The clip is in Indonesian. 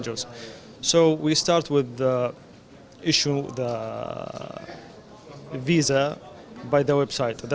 jadi kami mulai dengan isu visa oleh website